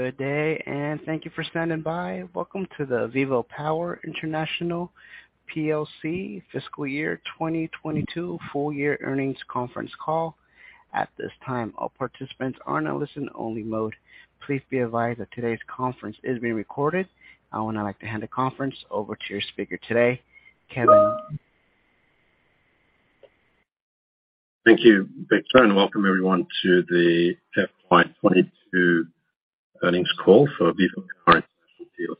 Good day, thank you for standing by. Welcome to the VivoPower International PLC Fiscal Year 2022 full year earnings conference call. At this time, all participants are in a listen only mode. Please be advised that today's conference is being recorded. I would now like to hand the conference over to your speaker today, Kevin. Thank you, Victor, and welcome everyone to the FY22 earnings call for VivoPower International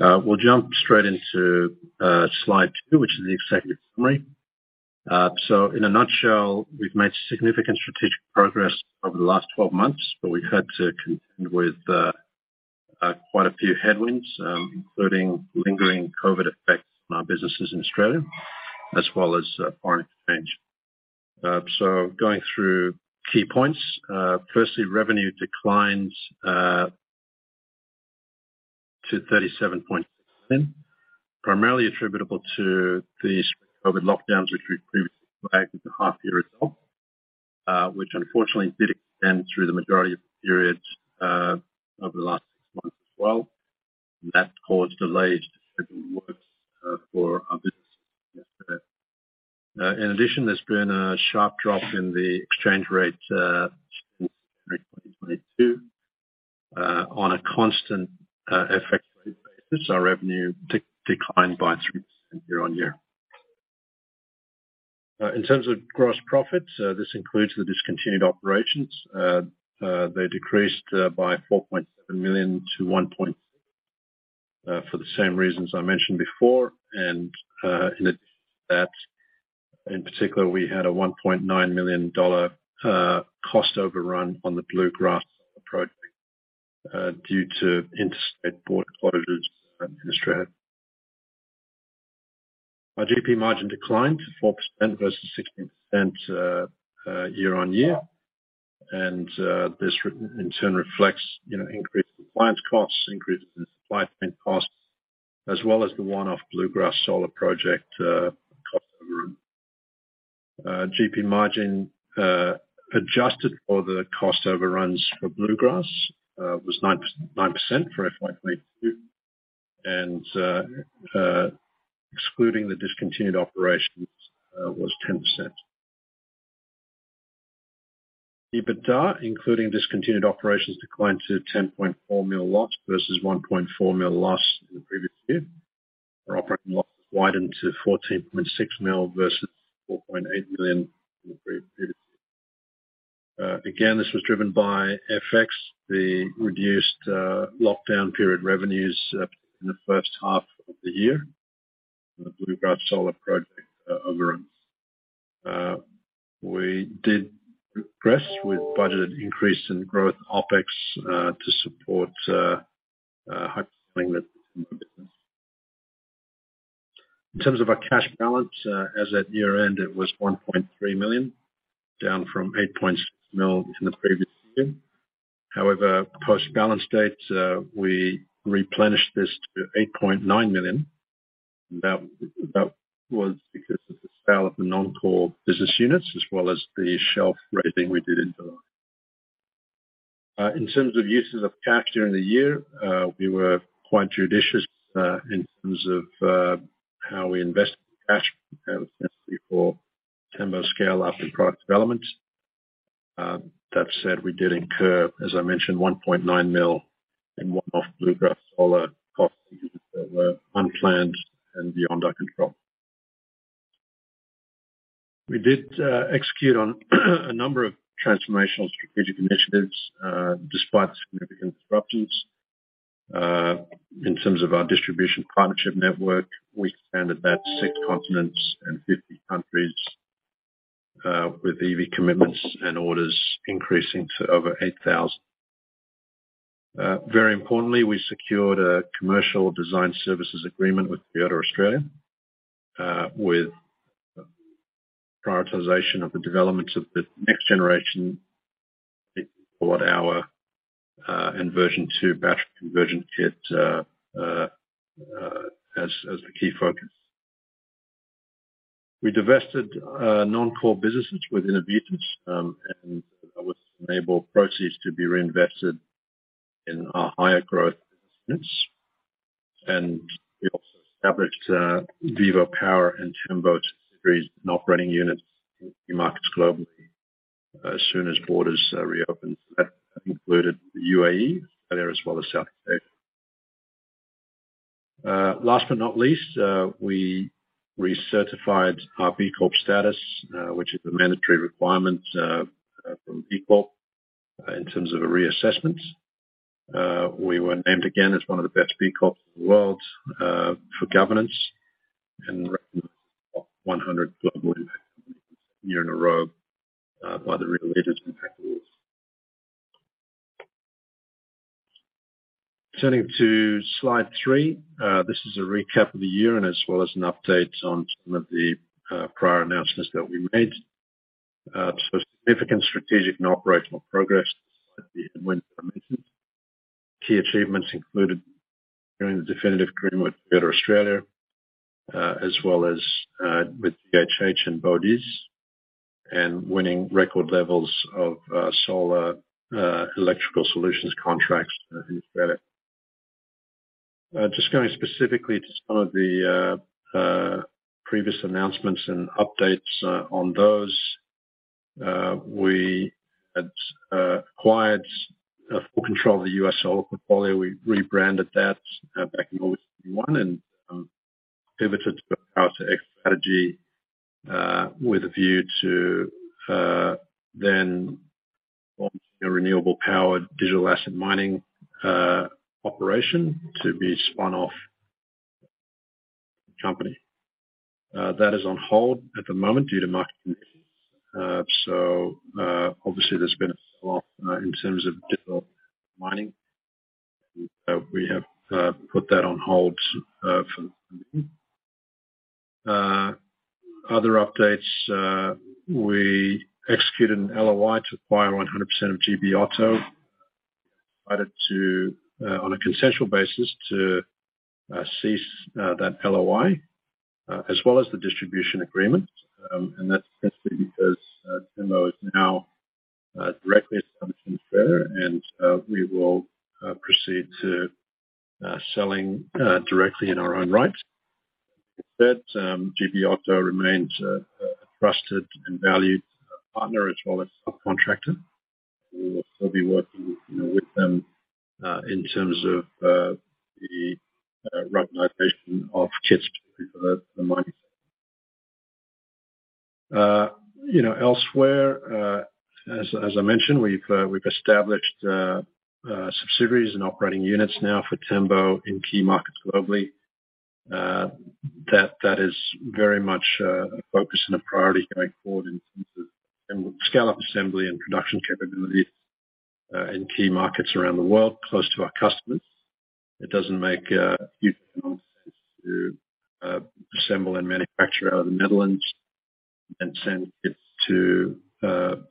PLC. We'll jump straight into slide two, which is the executive summary. In a nutshell, we've made significant strategic progress over the last 12 months, but we've had to contend with quite a few headwinds, including lingering COVID effects in our businesses in Australia as well as foreign exchange. Going through key points. Firstly, revenue declined to $37.6, primarily attributable to the COVID lockdowns, which we previously flagged at the half year result, which unfortunately did extend through the majority of the periods over the last 6 months as well. That caused delayed works for our business. In addition, there's been a sharp drop in the exchange rate since 2022. On a constant currency basis, our revenue declined by 3% year-on-year. In terms of gross profits, this includes the discontinued operations. They decreased by $4.7 million to 1.4 million for the same reasons I mentioned before. In particular, we had a $1.9 million cost overrun on the Bluegrass project due to interstate border closures in Australia. Our GP margin declined to 4% versus 16% year-on-year. This, in turn, reflects, you know, increased compliance costs, increases in supply chain costs, as well as the one-off Bluegrass Solar project cost overrun. GP margin adjusted for the cost overruns for Bluegrass was 9% for FY22, and excluding the discontinued operations was 10%. EBITDA, including discontinued operations, declined to $10.4 million loss versus $1.4 million loss in the previous year. Our operating loss widened to $14.6 million versus $4.8 million in the previous year. Again, this was driven by FX, the reduced lockdown period revenues in the H1 of the year, and the Bluegrass Solar project overrun. We did progress with budgeted increase in growth OpEx to support high-growth business. In terms of our cash balance, as at year-end, it was $1.3 million, down from $8.6 million in the previous year. However, post-balance date, we replenished this to $8.9 million. That was because of the sale of the non-core business units as well as the shelf raising we did in July. In terms of uses of cash during the year, we were quite judicious in terms of how we invested cash necessarily for Tembo scale up and product development. That said, we did incur, as I mentioned, $1.9 million in one-off Bluegrass Solar costs that were unplanned and beyond our control. We did execute on a number of transformational strategic initiatives despite significant disruptions. In terms of our distribution partnership network, we expanded that to six continents and 50 countries with EV commitments and orders increasing to over 8,000. Very importantly, we secured a commercial design services agreement with Toyota Australia with prioritization of the developments of the next generation Hilux and version 2 battery conversion kit as the key focus. We divested non-core businesses and that would enable proceeds to be reinvested in our higher growth business. We also established VivoPower and Tembo subsidiaries and operating units in key markets globally. As soon as borders reopened, that included the UAE there as well as Southeast Asia. Last but not least, we recertified our B Corp status, which is a mandatory requirement from B Corp. In terms of a reassessment, we were named again as one of the best B Corps in the world for governance and recognized as one of the top 100 global impact companies a year in a row by the Real Leaders Impact Awards. Turning to slide three. This is a recap of the year and as well as an update on some of the prior announcements that we made. Significant strategic and operational progress despite the headwinds I mentioned. Key achievements included the definitive agreement with Toyota Australia, as well as with GHH and Bodizs. Winning record levels of solar electrical solutions contracts in Australia. Just going specifically to some of the previous announcements and updates on those. We had acquired full control of the U.S. solar portfolio. We rebranded that back in August of 2021, and pivoted to a Power to X strategy with a view to then launch a renewable powered digital asset mining operation to be spun off company. That is on hold at the moment due to market conditions. Obviously there's been a sell-off in terms of digital mining. We have put that on hold for the time being. Other updates, we executed an LOI to acquire 100% of GB Auto. Decided, on a consensual basis, to cease that LOI as well as the distribution agreement. That's simply because Tembo is now directly listed on the ASX, and we will proceed to selling directly in our own right. With that, GB Auto remains a trusted and valued partner as well as subcontractor. We will still be working with them in terms of the localization of kits for the mining sector. You know, elsewhere, as I mentioned, we've established subsidiaries and operating units now for Tembo in key markets globally. That is very much a focus and a priority going forward in terms of scale up assembly and production capability in key markets around the world close to our customers. It doesn't make huge amount of sense to assemble and manufacture out of the Netherlands and send it to places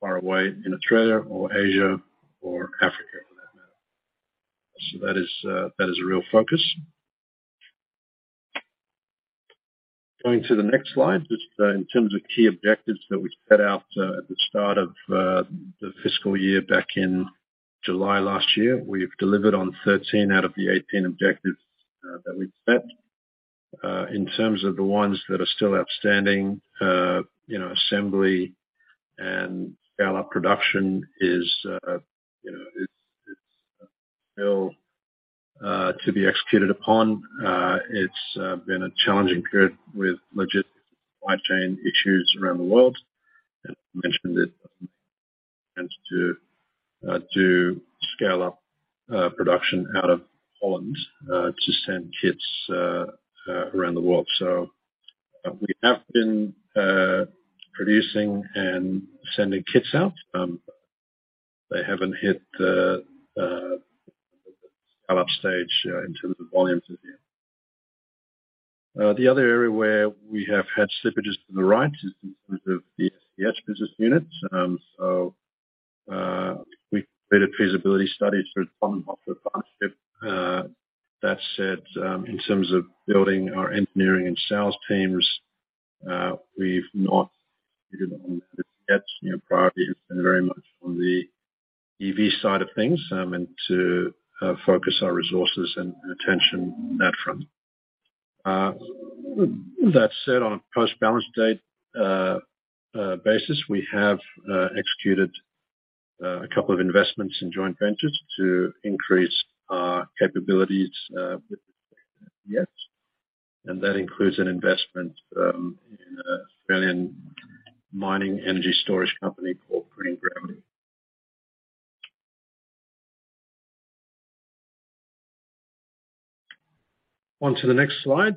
far away in Australia or Asia or Africa for that matter. That is a real focus. Going to the next slide. Just in terms of key objectives that we set out at the start of the fiscal year back in July last year. We've delivered on 13 out of the 18 objectives that we'd set. In terms of the ones that are still outstanding, you know, assembly and scale up production is still to be executed upon. It's been a challenging period with logistics supply chain issues around the world. I mentioned it to scale up production out of Holland to send kits around the world. We have been producing and sending kits out. They haven't hit the scale-up stage in terms of volumes just yet. The other area where we have had slippages to the right is in terms of the SES business unit. We completed feasibility studies for its commercial partnership. That said, in terms of building our engineering and sales teams, we've not executed on that as yet. You know, priority has been very much on the EV side of things, and to focus our resources and attention on that front. That said, on a post-balance date basis, we have executed a couple of investments in joint ventures to increase our capabilities with. That includes an investment in an Australian mining energy storage company called Green Gravity. On to the next slide.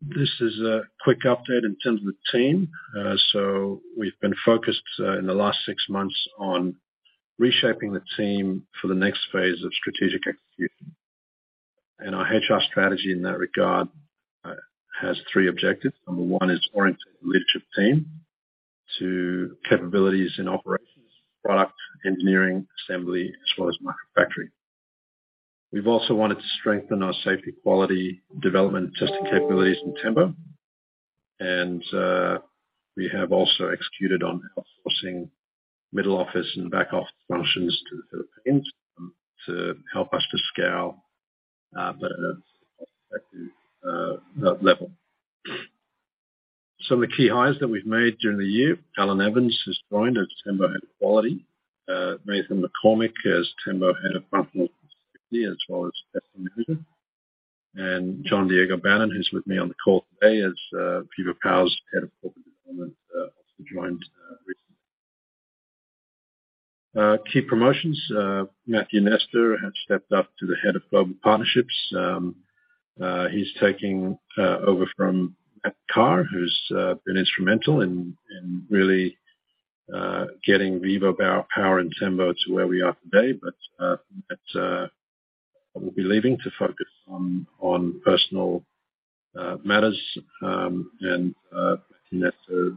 This is a quick update in terms of the team. We've been focused in the last six months on reshaping the team for the next phase of strategic execution. Our HR strategy in that regard has three objectives. Number one is orienting the leadership team to capabilities in operations, product engineering, assembly, as well as microfactory. We've also wanted to strengthen our safety, quality, development, testing capabilities in Tembo. We have also executed on outsourcing middle office and back-office functions to the Philippines, to help us to scale further at a cost-effective level. Some of the key hires that we've made during the year. Alan Evans has joined as Tembo Head of Quality. Nathan McCormick as Tembo Head of Environmental and Safety, as well as Testing Manager. Juan Diego Bannon, who's with me on the call today, as VivoPower's Head of Corporate Development, also joined recently. Key promotions. Matthew Nestor has stepped up to the Head of Global Partnerships. He's taking over from Matthew Cahir, who's been instrumental in really getting VivoPower and Tembo to where we are today. Matt will be leaving to focus on personal matters. Matthew Nestor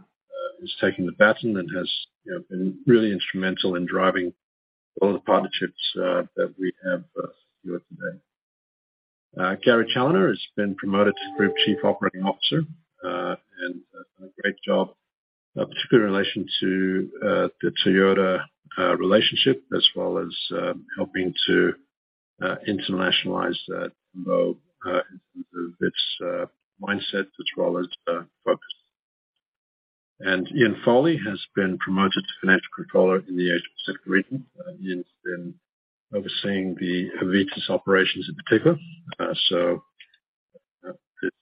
is taking the baton and has, you know, been really instrumental in driving all the partnerships that we have secured today. Gary Challinor has been promoted to Group Chief Operating Officer and has done a great job, particularly in relation to the Toyota relationship, as well as helping to internationalize that role in terms of its mindset as well as focus. Iain Folley has been promoted to Financial Controller in the Asia-Pacific region. Iain's been overseeing the Aevitas operations in particular, so this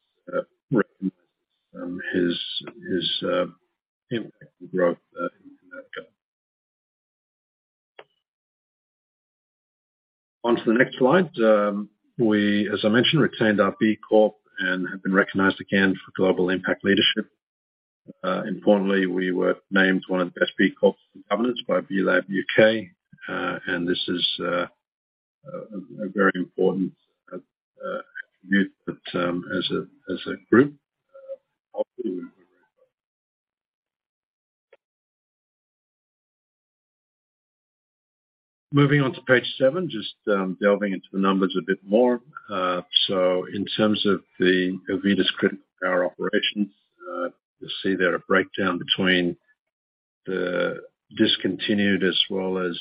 recognizes his impact and growth in that. On to the next slide. We, as I mentioned, retained our B Corp and have been recognized again for global impact leadership. Importantly, we were named one of the best B Corps for governance by B Lab UK, and this is a very important attribute that as a group hopefully we. Moving on to page seven, just delving into the numbers a bit more. So in terms of the Aevitas Critical Power operations, you'll see there a breakdown between the discontinued as well as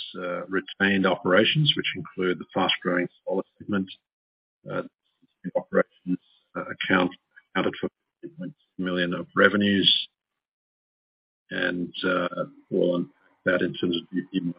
retained operations, which include the fast-growing solar segment. Operations accounted for $0 million of revenues. More on that in terms of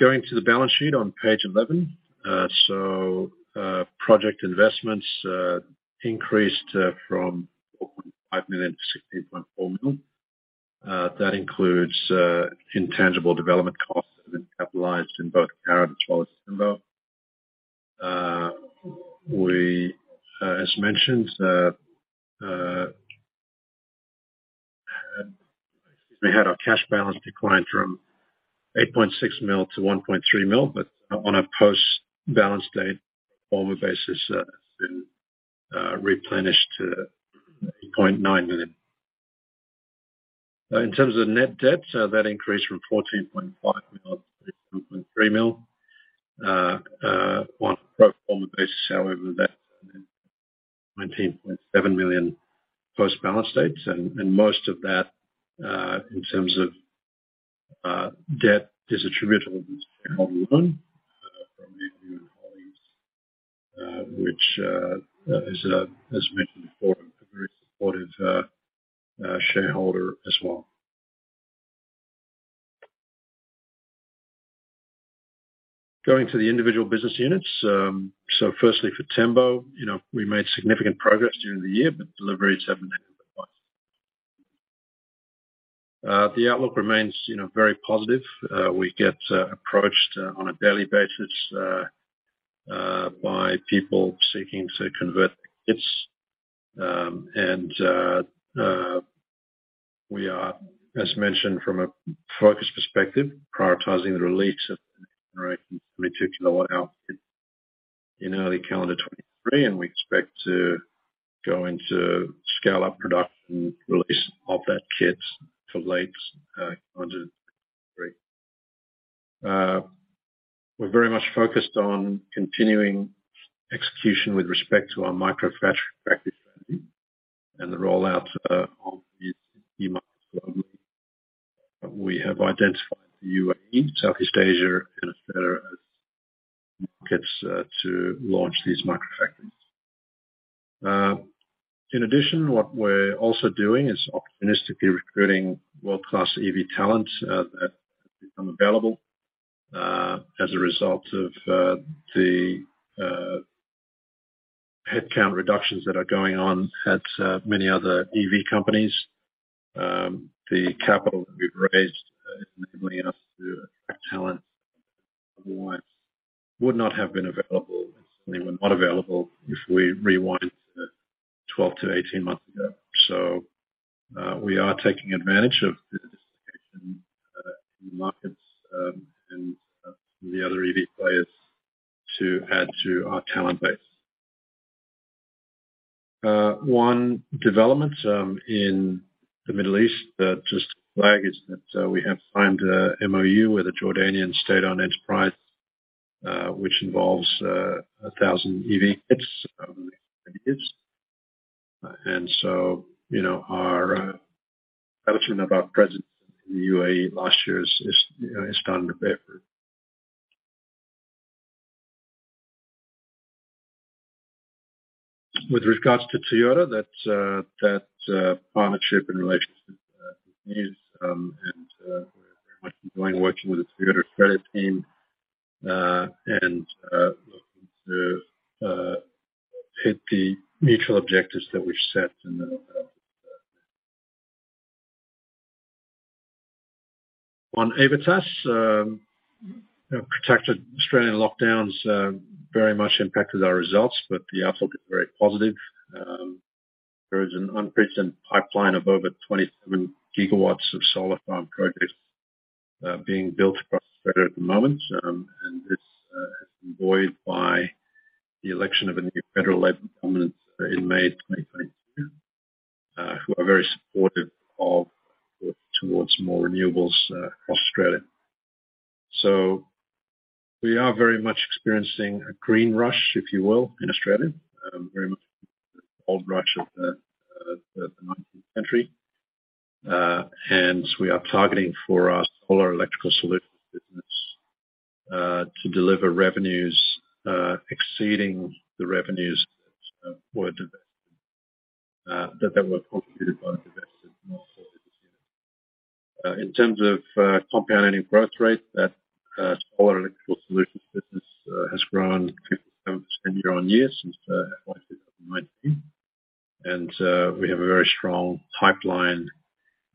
going to the balance sheet on page 11. So project investments increased from $4.5 million to 16.4 million. That includes intangible development costs that have been capitalized in both Caret as well as Tembo. As mentioned, had our cash balance decline from $8.6 million to $1.3 million, but on a post-balance date pro forma basis, has been replenished to $8.9 million. In terms of net debt, that increased from $14.5 million to $22.3 million. On a pro forma basis, however, that $19.7 million post-balance date. Most of that, in terms of debt, is attributable to shareholder loan from the new holdings, which, as mentioned before, a very supportive shareholder as well. Going to the individual business units. Firstly for Tembo, you know, we made significant progress during the year, but deliveries haven't. The outlook remains, you know, very positive. We get approached on a daily basis by people seeking to convert kits. We are, as mentioned from a focus perspective, prioritizing the release of the next generation 22 kWh in early calendar 2023, and we expect to go into scale-up production release of that kit to late. We're very much focused on continuing execution with respect to our microfactory strategy and the rollout of these new markets. We have identified the UAE, Southeast Asia and etc. as markets to launch these microfactories. In addition, what we're also doing is opportunistically recruiting world-class EV talent that has become available as a result of the headcount reductions that are going on at many other EV companies. The capital that we've raised is enabling us to attract talent otherwise would not have been available, and certainly were not available if we rewind to 12-18 months ago. We are taking advantage of the dislocation in the markets and some of the other EV players to add to our talent base. One development in the Middle East, just to flag, is that we have signed a MoU with a Jordanian state-owned enterprise, which involves 1,000 EV kits over the next 20 years. You know, our expansion of our presence in the UAE last year is starting to bear fruit. With regards to Toyota, that partnership and relationship continues, and we're very much enjoying working with the Toyota credit team, and looking to hit the mutual objectives that we've set in the Aevitas. Protracted Australian lockdowns very much impacted our results, but the outlook is very positive. There is an unprecedented pipeline of over 27 gigawatts of solar farm projects being built across Australia at the moment. This has been buoyed by the election of a new federal Labor government in May 2022, who are very supportive of work towards more renewables across Australia. We are very much experiencing a green rush, if you will, in Australia, very much the gold rush of the nineteenth century. We are targeting for our solar electrical solutions business to deliver revenues exceeding the revenues that were divested that were contributed by the divested North40 business unit. In terms of compounding growth rate, that solar electrical solutions business has grown 57% year-on-year since FY 2019. We have a very strong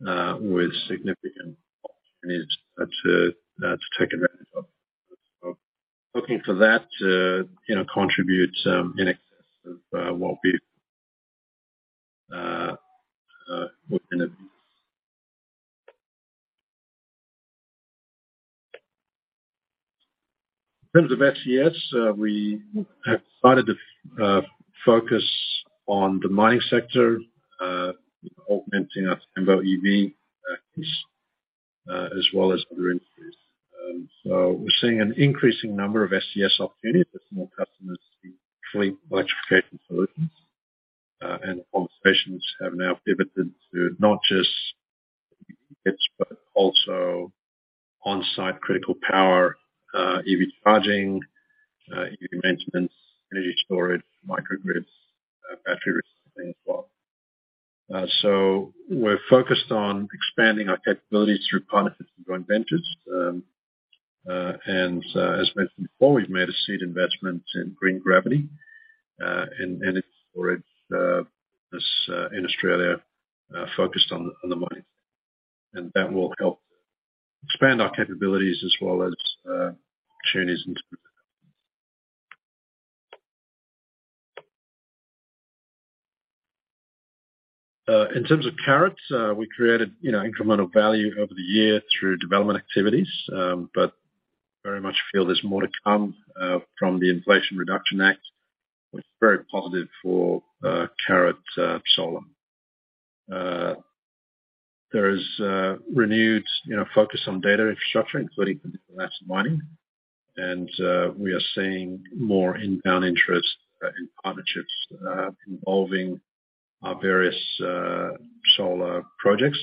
pipeline with significant opportunities to take advantage of. Looking for that to, you know, contribute in excess of what we. In terms of SES, we have started to focus on the mining sector, augmenting our Tembo EV practice, as well as other industries. We're seeing an increasing number of SES opportunities as more customers seek fleet electrification solutions. Conversations have now pivoted to not just EV kits, but also on-site critical power, EV charging, EV maintenance, energy storage, microgrids, battery reselling as well. We're focused on expanding our capabilities through partnerships and joint ventures. As mentioned before, we've made a seed investment in Green Gravity, an energy storage business in Australia focused on the mining sector. That will help expand our capabilities. In terms of Caret, we created, you know, incremental value over the year through development activities. Very much feel there's more to come from the Inflation Reduction Act. It's very positive for Caret solar. There is a renewed, you know, focus on data infrastructure, including digital asset mining. We are seeing more inbound interest in partnerships involving our various solar projects.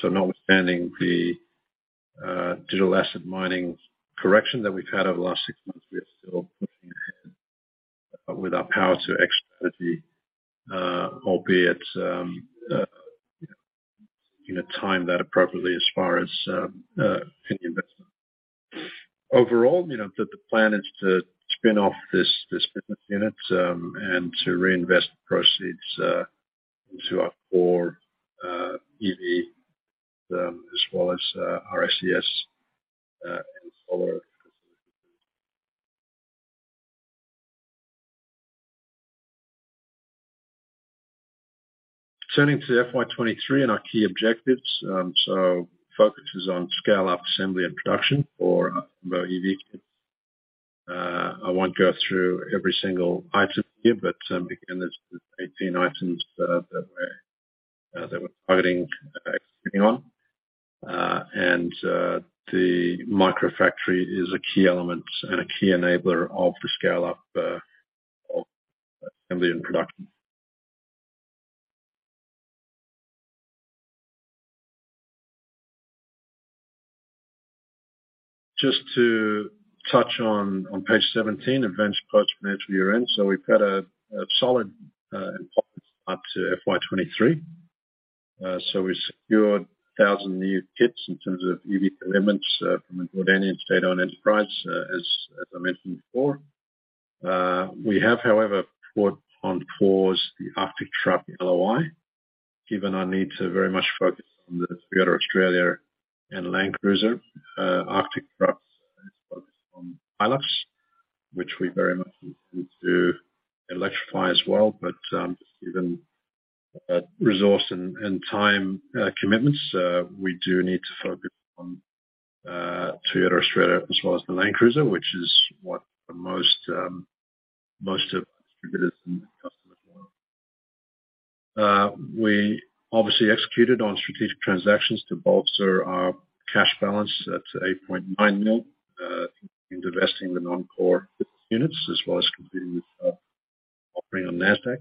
So notwithstanding the digital asset mining correction that we've had over the last six months, we are still pushing ahead with our Power to X, albeit you know time that appropriately as far as any investment. Overall, you know, the plan is to spin off this business unit and to reinvest the proceeds into our core EV as well as our SES and solar. Turning to the FY23 and our key objectives. So focus is on scale up assembly and production for our Tembo EV. I won't go through every single item here, but again, there's 18 items that we're targeting expanding on. The microfactory is a key element and a key enabler of the scale up of assembly and production. Just to touch on page 17, events post financial year-end. We've had a solid performance up to FY 2023. We secured 1,000 new kits in terms of EV elements from a Jordanian state-owned enterprise, as I mentioned before. We have, however, put on pause the Arctic Trucks LOI, given our need to very much focus on the Toyota Australia and Land Cruiser. Arctic Trucks is focused on Hilux, which we very much want to electrify as well. Given resource and time commitments, we do need to focus on Toyota Australia as well as the Land Cruiser, which is what most of distributors and customers want. We obviously executed on strategic transactions to bolster our cash balance at $8.9 million in divesting the non-core business units as well as completing an offering on Nasdaq.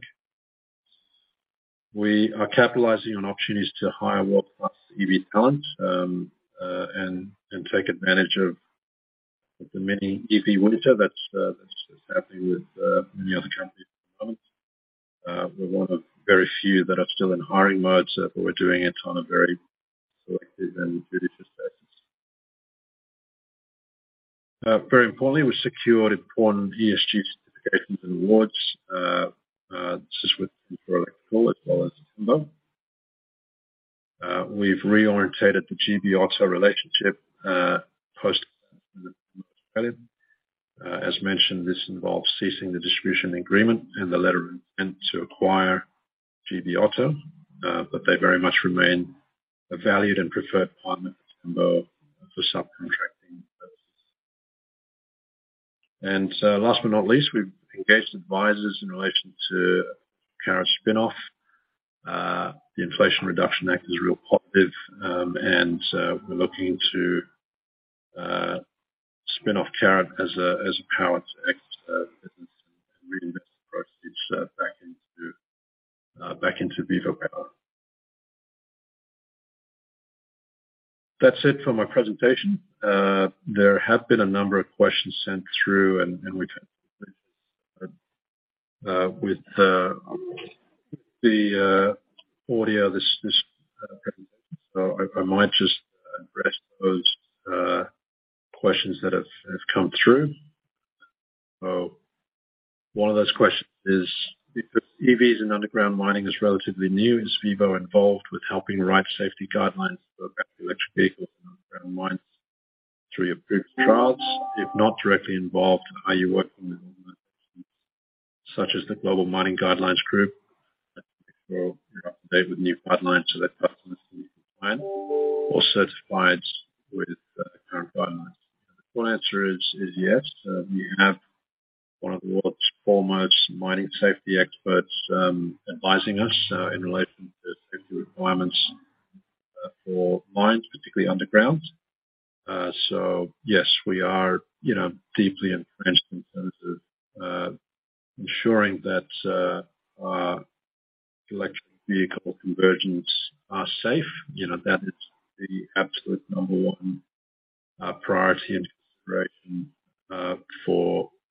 We are capitalizing on opportunities to hire world-class EV talent and take advantage of the mini EV winter that's happening with many other countries at the moment. We're one of very few that are still in hiring mode, but we're doing it on a very selective and judicious basis. Very importantly, we secured important ESG certifications and awards, this is with VivoPower Electrical as well as VivoPower. We've reoriented the GB Auto relationship post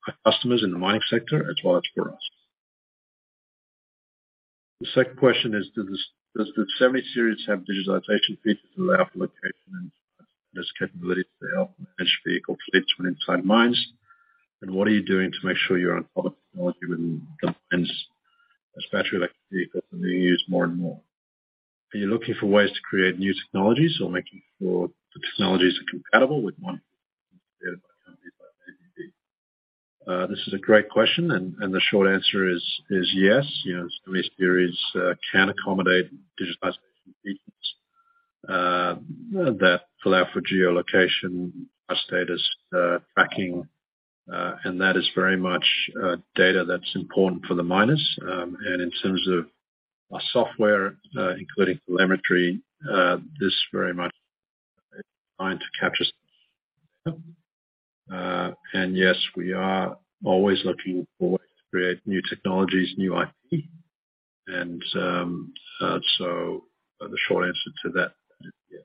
The second question is, does the SEMI series have digitalization features that allow for location and status capabilities to help manage vehicle fleets when inside mines? What are you doing to make sure you're on top of technology when the mines' battery electric vehicles are being used more and more? Are you looking for ways to create new technologies or making sure the technologies are compatible with one created by companies like BHP? This is a great question. The short answer is yes. You know, Tembo series can accommodate digitalization features that allow for geolocation or status tracking. That is very much data that's important for the miners. In terms of our software, including telemetry, this very much is designed to capture. Yes, we are always looking for ways to create new technologies, new IP. So the short answer to that is yes.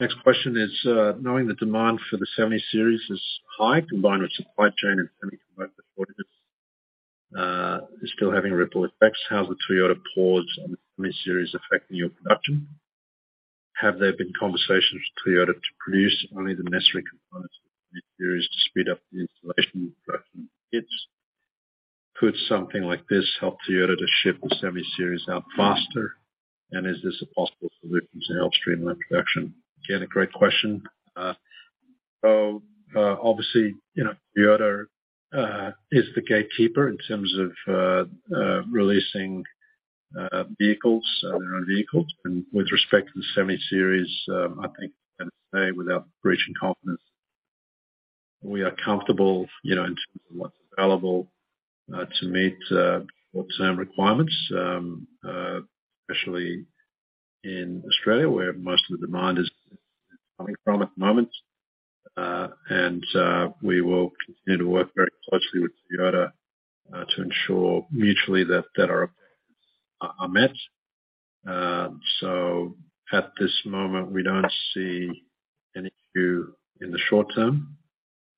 Next question is, knowing the demand for the Semi series is high, combined with supply chain and semiconductor shortages, is still having ripple effects, how is the Toyota pause on the Semi series affecting your production? Have there been conversations with Toyota to produce only the necessary components of the Semi series to speed up the installation of production kits? Could something like this help Toyota to ship the semi-series out faster? And is this a possible solution to help streamline production? Again, a great question. Obviously, you know, Toyota is the gatekeeper in terms of releasing vehicles, their own vehicles. With respect to the semis, I think I'm gonna say without breaching confidence, we are comfortable, you know, in terms of what's available to meet short-term requirements, especially in Australia, where most of the demand is coming from at the moment. We will continue to work very closely with Toyota to ensure mutually that our demands are met. At this moment, we don't see any issue in the short term.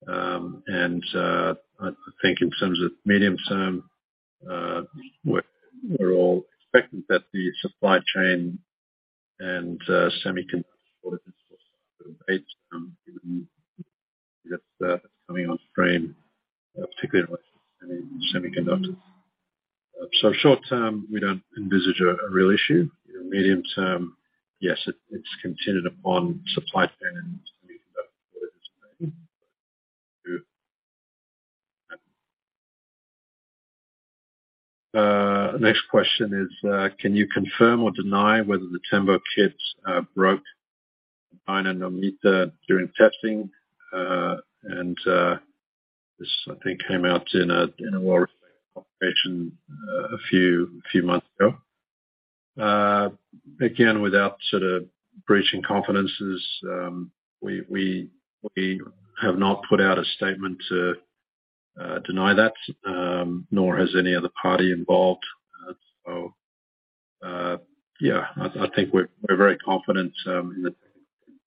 I think in terms of medium-term, we're all expecting that the supply chain and semiconductor that's coming on stream, particularly with semiconductors. Short-term, we don't envisage a real issue. You know, medium-term, yes, it's contingent upon supply chain and semiconductor. Next question is, can you confirm or deny whether the Tembo kits broke down in Namibia during testing, and this I think came out in a well-respected publication a few months ago. Again, without sort of breaching confidences, we have not put out a statement to deny that, nor has any other party involved. So, yeah. I think we're very confident in the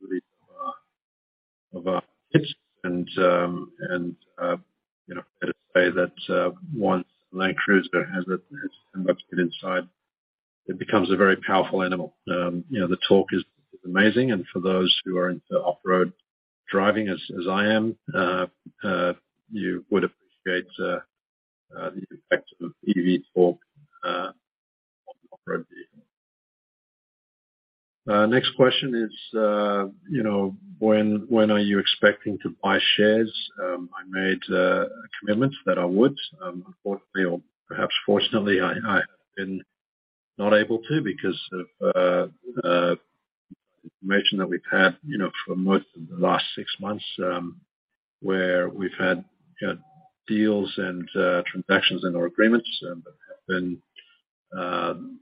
capability of our kits and you know, fair to say that once Land Cruiser has a Tembo kit inside, it becomes a very powerful animal. You know, the torque is amazing, and for those who are into off-road driving as I am, you would appreciate the effect of EV torque on off-road vehicle. Next question is, you know, when are you expecting to buy shares? I made a commitment that I would. Unfortunately or perhaps fortunately, I have been not able to because of information that we've had, you know, for most of the last six months, where we've had, you know, deals and transactions in our agreements that have been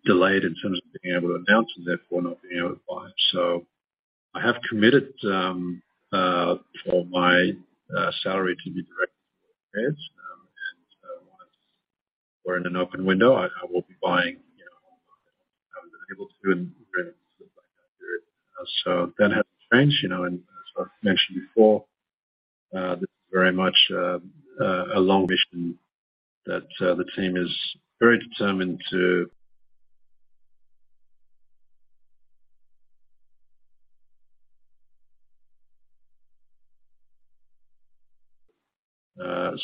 delayed in terms of being able to announce and therefore not being able to buy. I have committed for my salary to be directed to shares. Once we're in an open window, I will be buying, you know, I haven't been able to in period. That hasn't changed, you know. As I've mentioned before, this is very much a long mission that the team is very determined to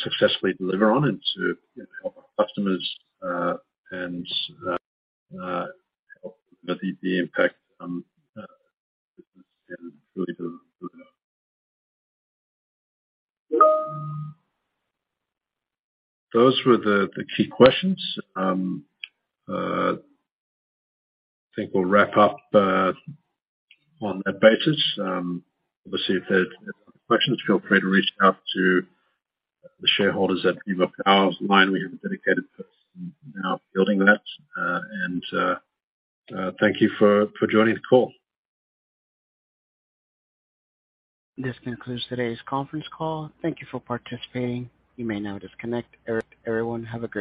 successfully deliver on and to, you know, help our customers and help the impact on business and really deliver. Those were the key questions. I think we'll wrap up on that basis. Obviously if there's any other questions, feel free to reach out to the shareholders at VivoPower's line. We have a dedicated person now building that. Thank you for joining the call. This concludes today's conference call. Thank you for participating. You may now disconnect. Everyone have a good